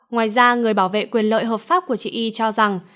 ngoài ra người bảo vệ quyền lợi hợp pháp của chị y cho rằng